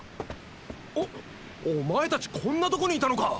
おっお前たちこんなとこにいたのか！